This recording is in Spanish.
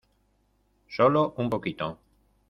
solo un poquito.